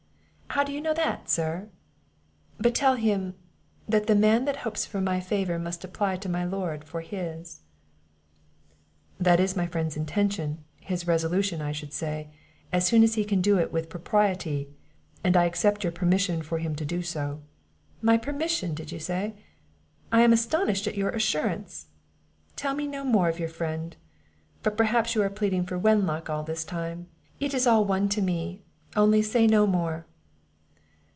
"How do you know that, sir? But tell him, that the man that hopes for my favour must apply to my lord for his." "That is my friend's intention his resolution, I should say as soon as he can do it with propriety; and I accept your permission for him to do so." "My permission did you say? I am astonished at your assurance! tell me no more of your friend; But perhaps you are pleading for Wenlock all this time; It is all one to me; only, say no more."